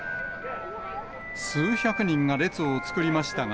数百人が列を作りましたが、